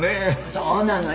そうなのよ！